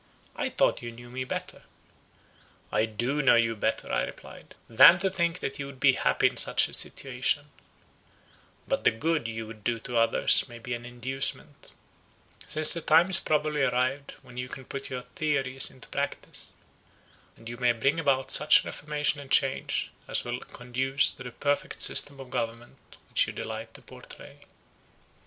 I thought you knew me better." "I do know you better," I replied "than to think that you would be happy in such a situation; but the good you would do to others may be an inducement, since the time is probably arrived when you can put your theories into practice, and you may bring about such reformation and change, as will conduce to that perfect system of government which you delight to portray."